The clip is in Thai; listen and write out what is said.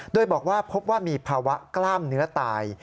โดยบอกว่าพบว่ามีภาวะกล้ามเนื้อตาย